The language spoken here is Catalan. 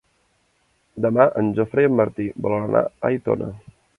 Demà en Jofre i en Martí volen anar a Aitona.